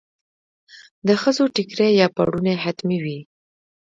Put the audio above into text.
د ښځو ټیکری یا پړونی حتمي وي.